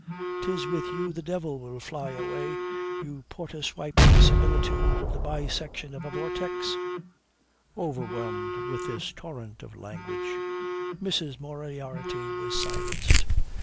'Tis with you the devil will fly away, you porter swiping similitude of the bisection of a vortex!" Overwhelmed with this torrent of language, Mrs. Moriarty was silenced.